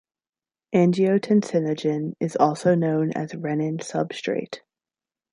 Angiotensinogen is also known as renin substrate.